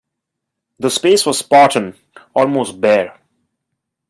The space was spartan, almost bare.